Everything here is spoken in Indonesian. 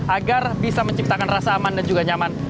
agar bisa menciptakan rasa aman dan juga nyaman